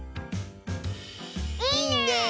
いいね！